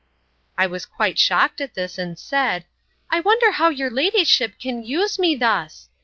—I was quite shocked at this, and said, I wonder how your ladyship can use me thus!